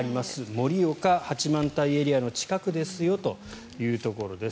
盛岡・八幡平エリアの近くですということです。